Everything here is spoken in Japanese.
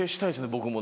僕も。